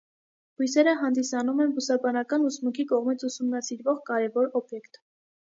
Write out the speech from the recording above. Բույսերը հանդիսանում են բուսաբանական ուսմունքի կողմից ուսումնասիրվող կարևոր օբյեկտ։